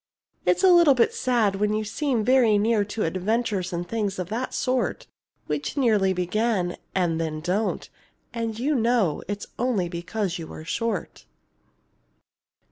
It's a little bit sad, when you seem very near To adventures and things of that sort, Which nearly begin, and then don't; and you know It is only because you are short.